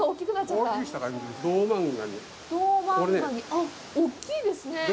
あっ、大きいですね！